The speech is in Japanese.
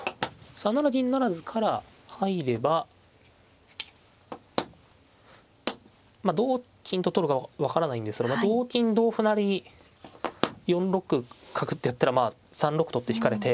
３七銀不成から入れば同金と取るか分からないんですが同金同歩成４六角ってやったらまあ３六とって引かれて。